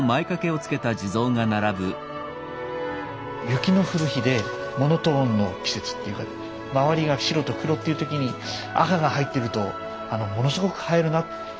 雪の降る日でモノトーンの季節っていうか周りが白と黒っていう時に赤が入ってるとものすごく映えるなと。